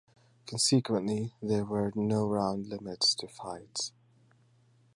Consequently, there were no round limits to fights.